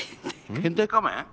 変態仮面？